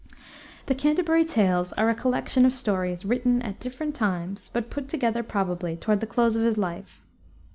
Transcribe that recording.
The Canterbury Tales are a collection of stories written at different times, but put together, probably, toward the close of his life.